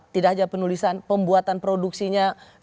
tidak hanya penulisan pembuatan produksinya